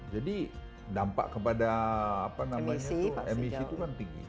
jadi dampak kepada emisi tuh kan tinggi